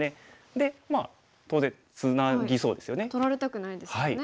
でまあ当然ツナぎそうですよね。